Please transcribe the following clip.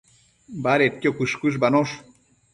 Badedquio cuësh-cuëshbanosh